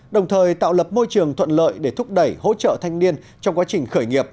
đồng thời tạo lập môi trường thuận lợi để thúc đẩy hỗ trợ thanh niên trong quá trình khởi nghiệp